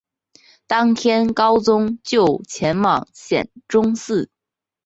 当天高宗就前往显忠寺。